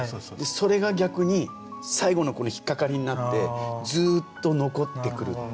それが逆に最後のこの引っ掛かりになってずっと残ってくるっていう。